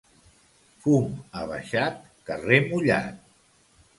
Fum abaixat, carrer mullat.